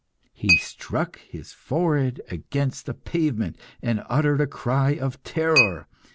He struck his forehead against the pavement, and uttered a cry of terror.